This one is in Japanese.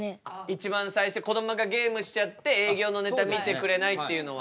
一番最初こどもがゲームしちゃって営業のネタ見てくれないっていうのは。